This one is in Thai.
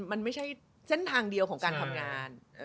มันไม่ใช่เส้นทางเดียวของการทำงาน